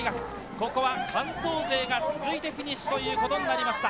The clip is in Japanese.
ここは関東勢が続いてフィニッシュということになりました。